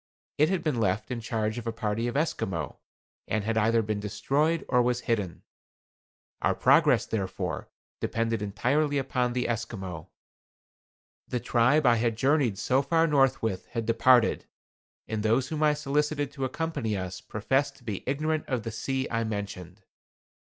It had been left in charge of a party of Esquimaux, and had either been destroyed, or was hidden. Our progress, therefore, depended entirely upon the Esquimaux. The tribe I had journeyed so far north with had departed, and those whom I solicited to accompany us professed to be ignorant of the sea I mentioned.